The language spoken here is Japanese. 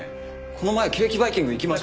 この前ケーキバイキング行きました。